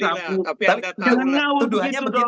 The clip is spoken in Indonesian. tapi jangan ngawur begitu dong